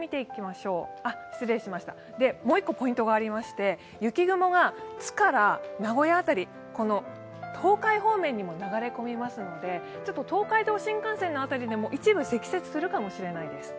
もう１個、ポイントがありまして、雪雲が津から名古屋辺り、東海方面にも流れ込みますので、東海道新幹線の辺りでも一部、積雪するかもしれないです。